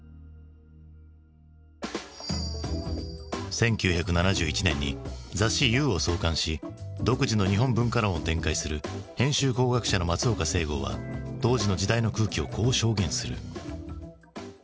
１９７１年に雑誌「遊」を創刊し独自の日本文化論を展開する編集工学者の松岡正剛は当時の時代の空気をこう証言する。